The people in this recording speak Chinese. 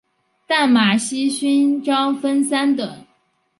淡马锡勋章分三等。